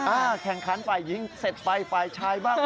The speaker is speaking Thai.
แข่งขันฝ่ายหญิงเสร็จไปฝ่ายชายบ้าง